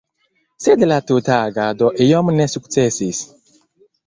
Sed la tuta agado iom ne sukcesis.